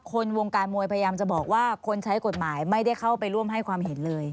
คนวงการมวยพยายามจะบอกว่าคนใช้กฎหมายไม่ได้เข้าไปร่วมให้ความเห็นเลย